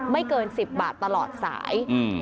เกิน๑๐บาทตลอดสาย